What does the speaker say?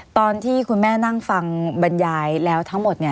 ตอนที่คุณแม่นั่งฟังบรรยายแล้วทั้งหมด